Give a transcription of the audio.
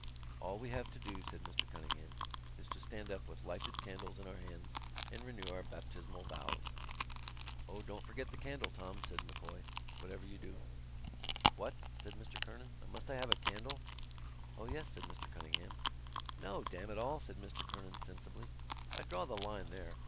"All we have to do," said Mr Cunningham, "is to stand up with lighted candles in our hands and renew our baptismal vows." "O, don't forget the candle, Tom," said Mr M'Coy, "whatever you do." "What?" said Mr Kernan. "Must I have a candle?" "O yes," said Mr Cunningham. "No, damn it all," said Mr Kernan sensibly, "I draw the line there.